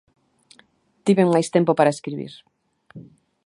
Tiven máis tempo para escribir.